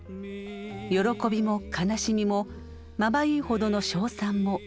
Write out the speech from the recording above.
喜びも悲しみもまばゆいほどの称賛も。